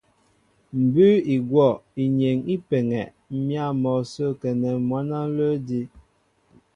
Mbʉ́ʉ́ i gwɔ̂ inyeŋ í peŋɛ m̀yǎ mɔ sə́ a kɛnɛ mwǎn á ǹlə́ edí'.